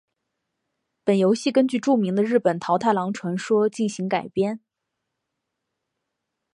本游戏根据著名的日本桃太郎传说进行改编。